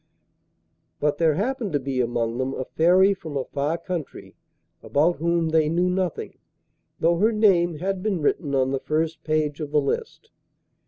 But there happened to be among them a Fairy from a far country about whom they knew nothing, though her name had been written on the first page of the list.